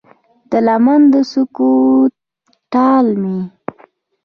د لمن د څوکو ټال مې